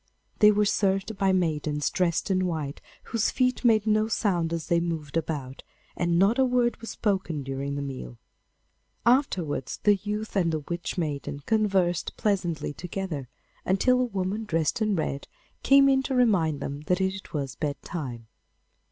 They were served by maidens dressed in white, whose feet made no sound as they moved about, and not a word was spoken during the meal. Afterwards the youth and the Witch maiden conversed pleasantly together, until a woman, dressed in red, came in to remind them that it was bedtime.